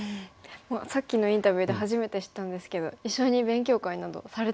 もうさっきのインタビューで初めて知ったんですけど一緒に勉強会などされてたんですね。